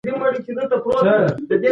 که پوهه نه وي نو سياست به بريالی نه وي.